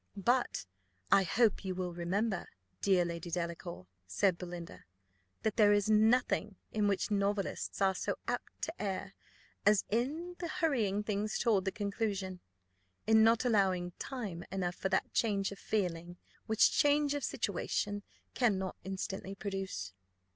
"But I hope you will remember, dear Lady Delacour," said Belinda, "that there is nothing in which novelists are so apt to err as in hurrying things toward the conclusion: in not allowing time enough for that change of feeling, which change of situation cannot instantly produce."